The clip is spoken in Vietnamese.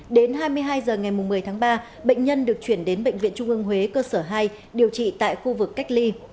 đến hai mươi hai h ngày một mươi tháng ba bệnh nhân được chuyển đến bệnh viện trung ương huế cơ sở hai điều trị tại khu vực cách ly